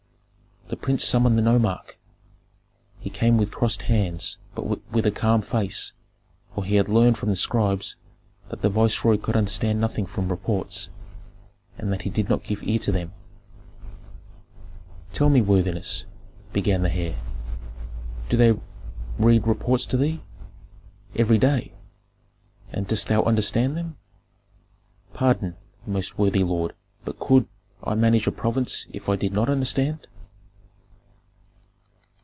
The prince summoned the nomarch. He came with crossed hands, but with a calm face, for he had learned from the scribes that the viceroy could understand nothing from reports, and that he did not give ear to them. "Tell me, worthiness," began the heir, "do they read reports to thee?" "Every day." "And dost thou understand them?" "Pardon, most worthy lord, but could I manage a province if I did not understand?"